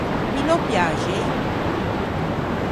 Mi n’ò piaxei.